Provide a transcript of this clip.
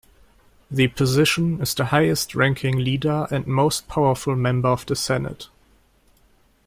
The position is the highest-ranking leader and most powerful member of the Senate.